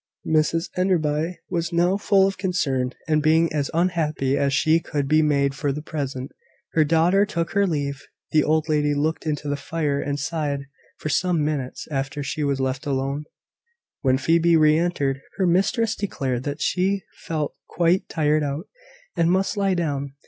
Mrs Enderby was now full of concern; and being as unhappy as she could be made for the present, her daughter took her leave. The old lady looked into the fire and sighed, for some minutes after she was left alone. When Phoebe re entered, her mistress declared that she felt quite tired out, and must lie down.